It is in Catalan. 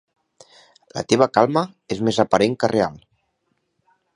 La teva calma és més aparent que real.